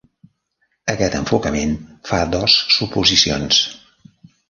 Aquest enfocament fa dos suposicions.